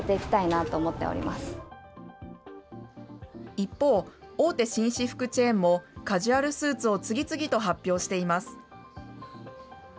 一方、大手紳士服チェーンもカジュアルスーツを次々と発表しています。